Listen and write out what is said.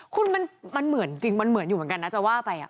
คุณมันเหมือนจริงมันเหมือนอยู่เหมือนกันนะจะว่าไป